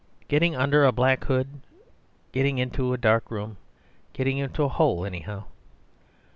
Getting under a black hood, getting into a dark room—getting into a hole anyhow.